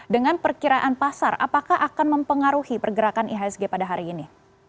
dengan perkiraan pasar apakah akan mempengaruhi pergerakan ihsg pada hari ini